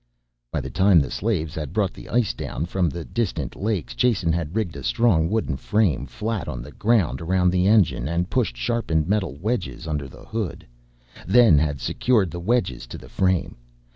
By the time the slaves had brought the ice down from the distant lakes Jason had rigged a strong wooden frame flat on the ground around the engine and pushed sharpened metal wedges under the hood, then had secured the wedges to the frame.